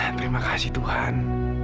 terima kasih tuhan